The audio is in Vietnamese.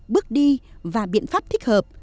bước đi và biện pháp thích hợp